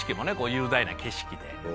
雄大な景色で。